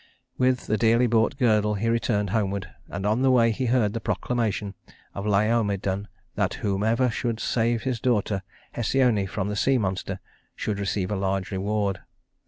With the dearly bought girdle he returned homeward, and on the way he heard the proclamation of Laomedon that whoever would save his daughter Hesione from the sea monster should receive a large reward.